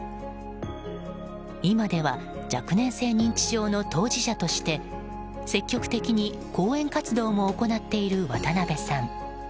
今では、若年性認知症の当事者として積極的に講演活動も行っている渡邊さん。